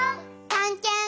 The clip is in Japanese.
たんけん。